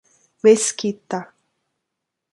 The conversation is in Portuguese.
Mesquita